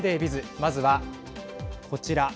まずはこちら。